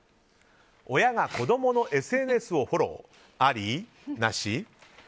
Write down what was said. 親が子供のＳＮＳをフォロー。